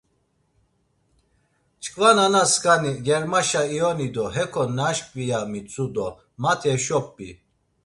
Çkva nana skani germaşa ioni do heko naşkvi ya mitzu domati heşo p̌i.